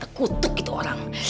tante kutuk itu orang